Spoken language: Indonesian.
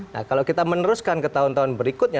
nah kalau kita meneruskan ke tahun tahun berikutnya